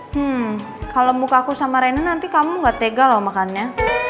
hmm kalau muka aku sama rena nanti kamu gak tega loh makannya